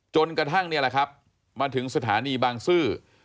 จนกระทั่งนี่แหละครับมาถึงสถานีบางซื่อ